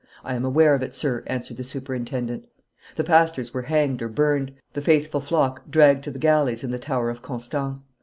I am aware of it, sir," answered the superintendent. The pastors were hanged or burned, the faithful flock dragged to the galleys and the Tower of Constance.